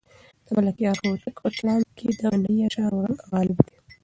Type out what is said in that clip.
د ملکیار هوتک په کلام کې د غنایي اشعارو رنګ غالب دی.